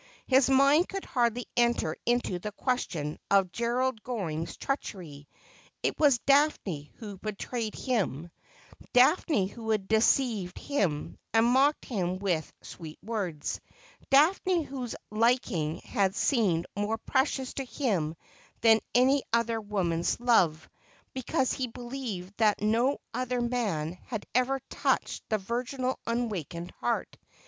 His mind could hardly enter into the question of Gerald Goring's treachery. It was Daphne who had betrayed him ; Daphne who had deceived him, and mocked him with sweet words ; Daphne whose liking had seemed more precious to him than any other woman's love, because he believed that no other man had ever touched the virginal unawakened heart.